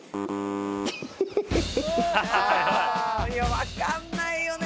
分かんないよね